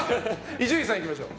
伊集院さん、いきましょう。